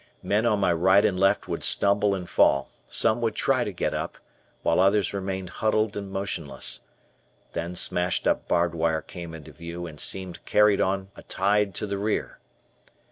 Men on my right and left would stumble and fall. Some would try to get up, while others remained huddled and motionless. Then smashed up barbed wire came into view and seemed carried on a tide to the rear.